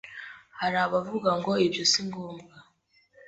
Hari abavuga ngo ibyo singombwa